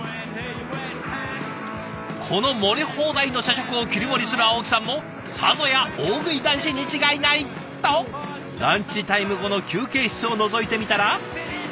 この盛り放題の社食を切り盛りする青木さんもさぞや大食い男子に違いないとランチタイム後の休憩室をのぞいてみたら。